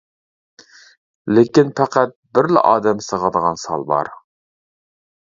لېكىن، پەقەت بىرلا ئادەم سىغىدىغان سال بار.